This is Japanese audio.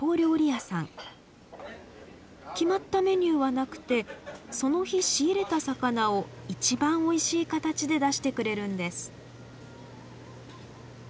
決まったメニューはなくてその日仕入れた魚を一番おいしい形で出してくれるんです。